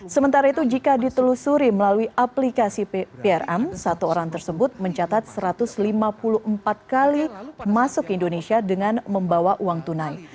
sementara itu jika ditelusuri melalui aplikasi prm satu orang tersebut mencatat satu ratus lima puluh empat kali masuk ke indonesia dengan membawa uang tunai